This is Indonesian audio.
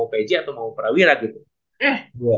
pg atau mau prawira gitu eh